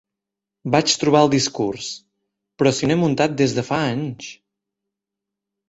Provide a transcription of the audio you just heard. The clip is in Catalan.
Vaig trobar el discurs: "Però si no he muntat des de fa anys".